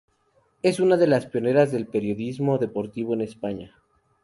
Es una de las pioneras del periodismo deportivo en España.